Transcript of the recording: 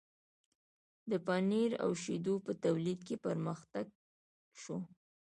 د پنیر او شیدو په تولید کې پرمختګ شو.